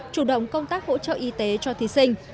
chủ động công tác hỗ trợ y tế cho thí sinh